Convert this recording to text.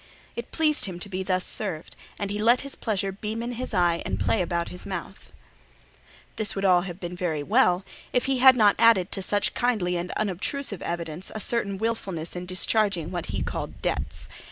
It pleased him to be thus served, and he let his pleasure beam in his eye and play about his mouth. This would have been all very well, if he had not added to such kindly and unobtrusive evidence a certain wilfulness in discharging what he called debts.